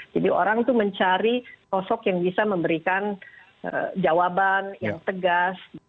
jadi orang itu mencari sosok yang bisa memberikan jawaban yang tegas